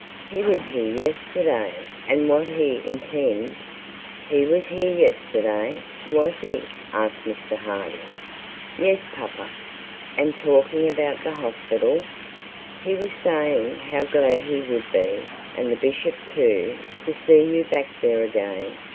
He was here yesterday, and what he intends ' 'He was here yesterday, was he?' asked Mr Harding. 'Yes, papa.' 'And talking about the hospital?' 'He was saying how glad he would be, and the bishop too, to see you back there again.